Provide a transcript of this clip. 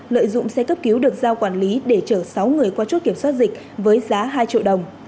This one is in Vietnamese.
lợi dụng xe cấp cứu được giao quản lý để chở sáu người qua chốt kiểm soát dịch với giá hai triệu đồng